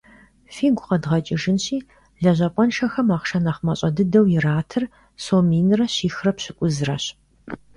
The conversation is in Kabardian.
Фигу къэдгъэкӏыжынщи, лэжьапӏэншэхэм ахъшэ нэхъ мащӏэ дыдэу иратыр сом минрэ щихрэ пщӏыкӏузрэщ.